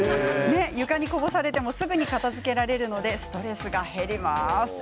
床にこぼされても、すぐに片づけられるのでストレスが減ります。